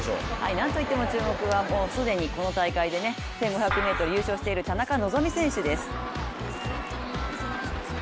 なんといっても注目は既にこの大会で１５００ｍ優勝している田中希実選手です。